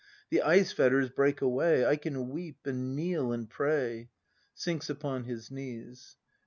The ice fetters break away, I can weep, — and kneel, — and pray! [Sinks upon his knees.